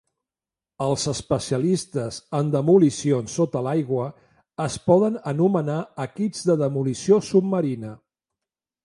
Els especialistes en demolicions sota l'aigua es poden anomenar "equips de demolició submarina".